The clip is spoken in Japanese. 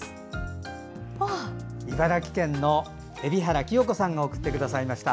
茨城県のえび原清子さんが送ってくださいました。